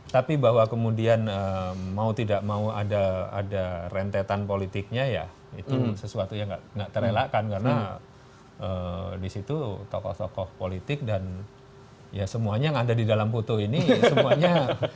tapi bahwa kemudian mau tidak mau ada rentetan politiknya ya itu sesuatu yang tidak terelakkan karena disitu tokoh tokoh politik dan ya semuanya yang ada di dalam foto ini semuanya